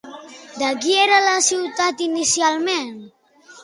De qui era la ciutat inicialment?